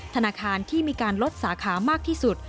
ธนาคารที่มีการลดสาขามากที่สุด